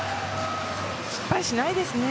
失敗しないですね。